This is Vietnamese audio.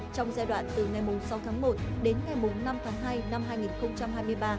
trong giai đoạn từ ngày sáu tháng một đến ngày năm tháng hai năm hai nghìn hai mươi ba